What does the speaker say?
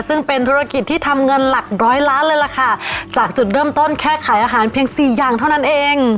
ซึ่งเป็นธุรกิจที่ทำเงินหลักร้อยล้านเลยล่ะค่ะจากจุดเริ่มต้นแค่ขายอาหารเพียงสี่อย่างเท่านั้นเอง